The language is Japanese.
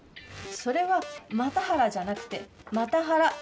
それは又原じゃなくてマタハラ。